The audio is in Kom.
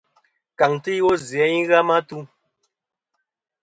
Kàŋtɨ iwo zɨ a i ghɨ a ma tu.